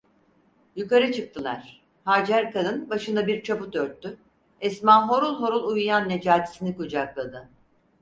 Yukarı çıktılar, Hacer kadın başına bir çaput örttü, Esma horul horul uyuyan Necatisini kucakladı.